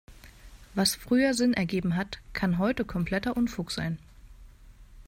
Was früher Sinn ergeben hat, kann heute kompletter Unfug sein.